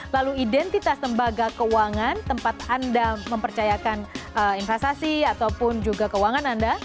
lalu identitas tembaga keuangan tempat anda mempercayakan investasi ataupun juga keuangan anda